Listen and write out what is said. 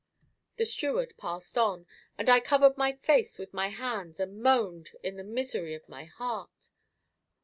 The steward passed on, and I covered my face with my hands and moaned in the misery of my heart.